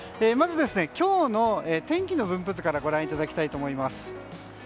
まず、今日の天気の分布図からご覧いただきたいと思います。